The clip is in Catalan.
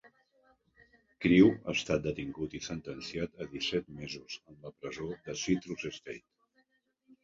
Crewe ha estat detingut i sentenciat a disset mesos en la presó de Citrus State.